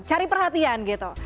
cari perhatian gitu